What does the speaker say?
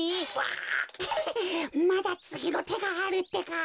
あまだつぎのてがあるってか。